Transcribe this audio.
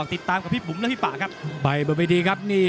ปีท้ายพิสัยขอเตรียมนะครับรั่ว